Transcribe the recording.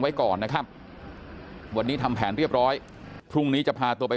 ไว้ก่อนนะครับวันนี้ทำแผนเรียบร้อยพรุ่งนี้จะพาตัวไป